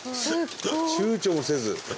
ちゅうちょもせず。